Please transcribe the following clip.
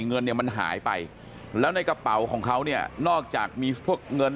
เงินเนี่ยมันหายไปแล้วในกระเป๋าของเขาเนี่ยนอกจากมีพวกเงิน